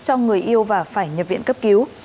cho người yêu và phải nhập viện cấp cứu